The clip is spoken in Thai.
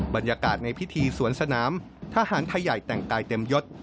บรรยากาศในพิธีสวนสนามทหารไทยใหญ่แต่งกายเต็มยศ